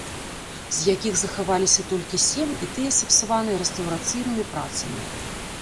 З якіх захаваліся толькі сем, і тыя сапсаваныя рэстаўрацыйнымі працамі.